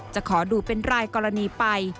จะขอดูเป็นรายกรณีไป